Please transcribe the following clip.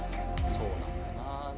そうなんだなあ。